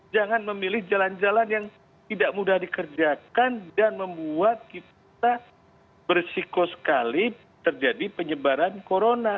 jangan memilih jalan jalan yang tidak mudah dikerjakan dan membuat kita bersikoskali terjadi penyebaran corona